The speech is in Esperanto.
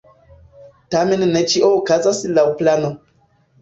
Tamen ne ĉio okazas laŭ plano.